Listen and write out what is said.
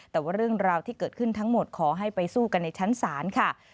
แต่ว่าเรื่องราวที่เกิดขึ้นทั้งหมดขอให้ไปสู้กันในชั้นศาลค่ะ